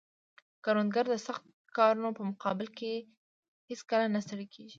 کروندګر د سخت کارونو په مقابل کې هیڅکله نه ستړی کیږي